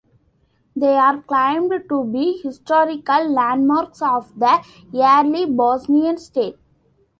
They are claimed to be historical landmarks of the early Bosnian state.